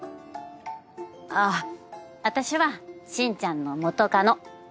あっ私は進ちゃんの元カノ。